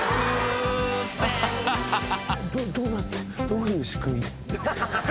どういう仕組み？